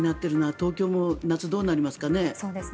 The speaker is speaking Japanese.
東京も夏、どうなりますかね。